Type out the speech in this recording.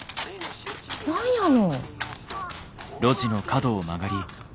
何やの。